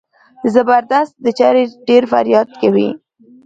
د زبردست د چړې ډېر فریاد کوي.